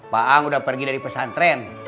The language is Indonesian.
pak ang udah pergi dari pesantren